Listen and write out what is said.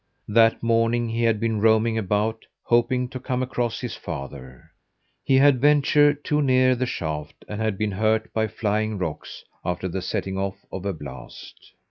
That morning he had been roaming about, hoping to come across his father. He had ventured too near the shaft and been hurt by flying rocks after the setting off of a blast.